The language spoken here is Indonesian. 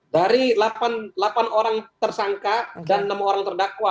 dari delapan orang tersangka dan enam orang terdakwa